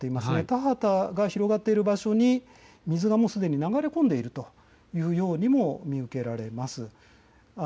田畑が広がっている場所に水がもうすでに流れ込んでいるようにも見受けられます。